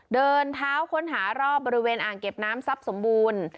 เดินเท้าค้นหารอบบริเวณอ่างเก็บน้ำทรัพย์สมบูรณ์